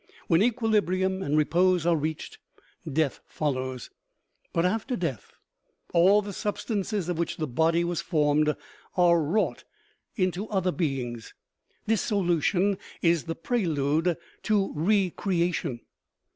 When equilibrium and repose are reached, death follows ; but after death all the substances of which the body was formed are wrought into other beings. Dissolution is the prelude to recreation.